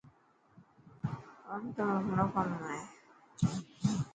پونٽون ۾ گهڻو ڪم هي.